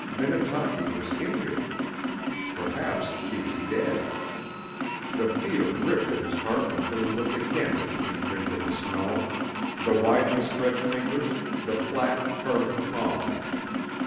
Minnetaki was injured! Perhaps she was dead. The fear gripped at his heart until he looked again at the imprint in the snow the widely spread fingers, the flat, firm palm.